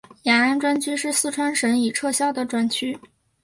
雅安专区是四川省已撤销的专区。